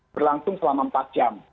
berlangsung selama empat jam